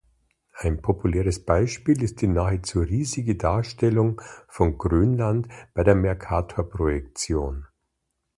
Ein populäres Beispiel ist die nahezu riesige Darstellung von Grönland bei der Mercatorprojektion.